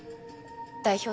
代表